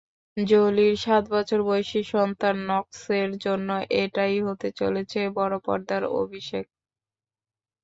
জোলির সাত বছর বয়সী সন্তান নক্সের জন্য এটাই হতে চলেছে বড়পর্দায় অভিষেক।